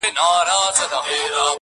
کورنۍ پټ عمل کوي د شرم،